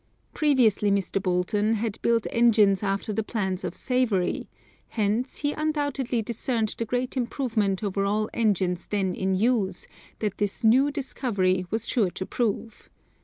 Previously Mr. Boulton had built engines after the plans of Savery, hence, he undoubtedly discerned the great improvement over all engines then in use, that this new discovery was sure to prove.